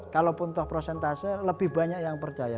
kalau pun toh prosentase lebih banyak yang percaya